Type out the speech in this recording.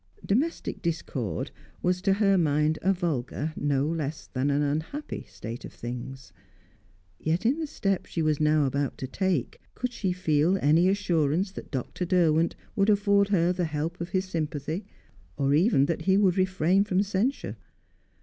Domestic discord was to her mind a vulgar, no less than an unhappy, state of things. Yet, in the step she was now about to take, could she feel any assurance that Dr. Derwent would afford her the help of his sympathy or even that he would refrain from censure?